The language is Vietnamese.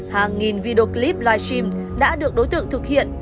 hàng nghìn video clip livestream đã được đối tượng thực hiện